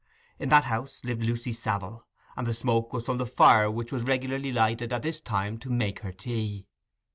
In that house lived Lucy Savile; and the smoke was from the fire which was regularly lighted at this time to make her tea.